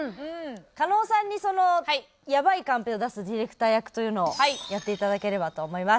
加納さんにやばいカンペを出すディレクター役というのをやっていただければと思います。